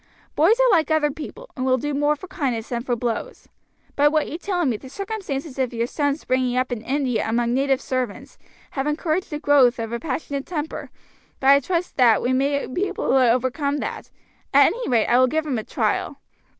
Boys are like other people, and will do more for kindness than for blows. By what you tell me, the circumstances of your son's bringing up in India among native servants have encouraged the growth of a passionate temper, but I trust that we may be able to overcome that; at any rate I will give him a trial."